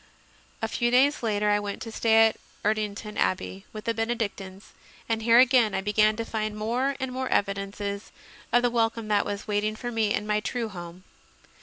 A few days later I went to stay at Erdington Abbey, with the Benedictines, and here again I began to find more and more evidences of the wel come that was waiting for me in my true home.